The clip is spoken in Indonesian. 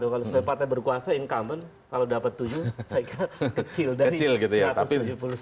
kalau sebagai partai berkuasa incumbent kalau dapat tujuh saya kira kecil dari satu ratus tujuh puluh satu